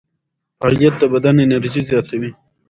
فعالیت د بدن انرژي زیاتوي.